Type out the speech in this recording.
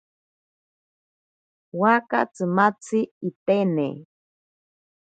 Waaka tsimatzi itene.